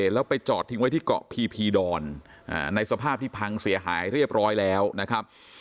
แล้วไปจอดทิ้งไว้ที่เกาะพีพีดอนในสภาพที่พังเสียหายเรียบร้อยแล้วนะครับ